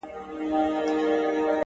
دده بيا ياره ما او تا تر سترگو بد ايــسو؛